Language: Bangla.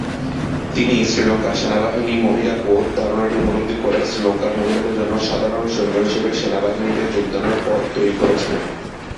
তিনি শ্রীলঙ্কার সেনাবাহিনী মহিলা কোর ধারণাটি উপলব্ধি করে শ্রীলঙ্কার মহিলাদের জন্য সাধারণ সৈন্য হিসেবে সেনাবাহিনীতে যোগদানের পথ তৈরি করেছিলেন।